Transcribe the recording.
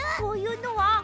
こういうのは？